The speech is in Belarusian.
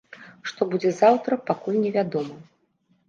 Што будзе заўтра, пакуль невядома.